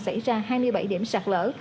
xảy ra hai mươi bảy điểm sạt lỡ